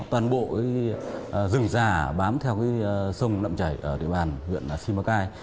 toàn bộ rừng già bám theo sông nậm chảy ở địa bàn huyện simacai